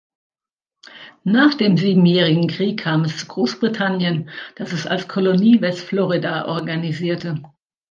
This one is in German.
Nach dem Siebenjährigen Krieg kam es zu Großbritannien, das es als Kolonie Westflorida organisierte.